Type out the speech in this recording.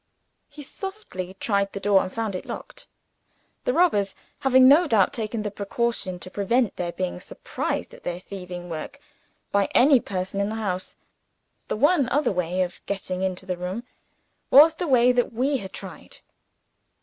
He softly tried the door, and found it locked the robbers having no doubt taken that precaution, to prevent their being surprised at their thieving work by any person in the house. The one other way of getting into the room, was the way that we had tried.